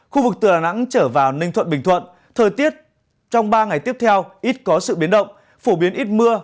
khu vực từ đà nẵng trở vào ninh thuận bình thuận thời tiết trong ba ngày tiếp theo ít có sự biến động phổ biến ít mưa